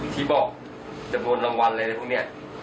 ที่บอกจะบนรางวัลอะไรอะไรพวกเนี่ย